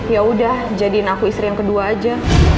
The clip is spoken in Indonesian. yaudah jadiin aku istri yang kedua aja